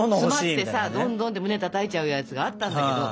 詰まってさドンドンって胸たたいちゃうやつがあったんだけど。